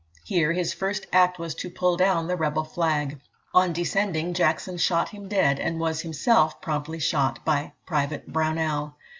Here his first act was to pull down the rebel flag. On descending, Jackson shot him dead, and was himself promptly shot by private Brownell.